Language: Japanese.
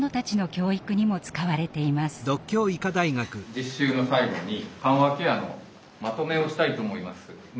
実習の最後に緩和ケアのまとめをしたいと思います。